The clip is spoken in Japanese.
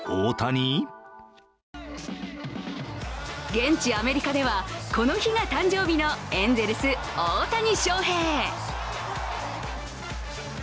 現地アメリカでは、この日が誕生日のエンゼルス・大谷翔平。